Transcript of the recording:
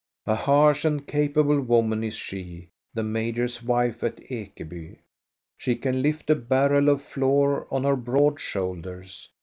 A harsh and capable woman is she, the major's wife at Ekeby. She can lift a barrel of flour on her broad shoulders.